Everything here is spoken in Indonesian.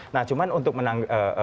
nah cuma untuk menangg